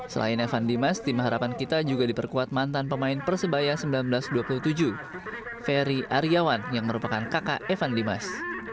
selain evan dimas tim harapan kita juga diperkuat mantan pemain persebaya seribu sembilan ratus dua puluh tujuh ferry aryawan yang merupakan kakak evan dimas